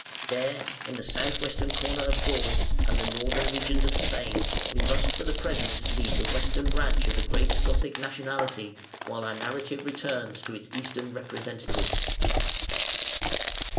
There, in the south western corner of Gaul and the northern regions of Spain, we must for the present leave the Western branch of the great Gothic nationality, while our narrative returns to its Eastern representatives.